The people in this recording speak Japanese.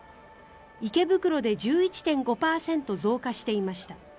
池袋で１１．５％増加していました。